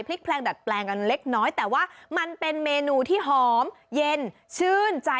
แพลงดัดแปลงกันเล็กน้อยแต่ว่ามันเป็นเมนูที่หอมเย็นชื่นใจ